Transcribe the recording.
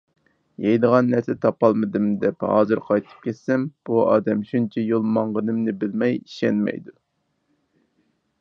يەيدىغان نەرسە تاپالمىدىم، دەپ ھازىر قايتىپ كەتسەم، بۇ ئادەم شۇنچە يول ماڭغىنىمنى بىلمەي ئىشەنمەيدۇ.